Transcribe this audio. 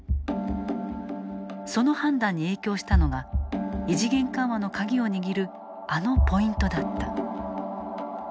その判断に影響したのが異次元緩和の鍵を握るあのポイントだった。